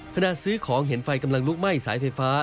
ซื้อของเห็นไฟกำลังลุกไหม้สายไฟฟ้า